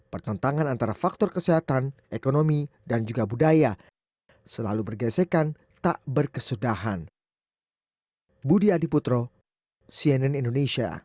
pertentangan antara faktor kesehatan ekonomi dan juga budaya selalu bergesekan tak berkesudahan